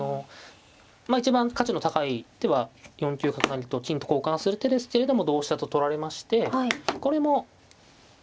まあ一番価値の高い手は４九角成と金と交換する手ですけれども同飛車と取られましてこれもただの角金交換でそんなに